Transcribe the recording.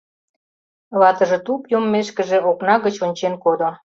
Ватыже туп йоммешкыже окна гыч ончен кодо.